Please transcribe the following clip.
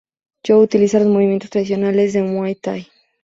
Joe utiliza los movimientos tradicionales del Muay Thai.